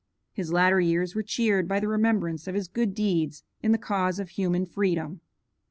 His latter years were cheered by the remembrance of his good deeds in the cause of human freedom.